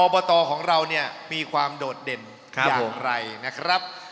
อบตมหาสนุกของเรานี้มีความโดดเด่นอย่างไรนะครับ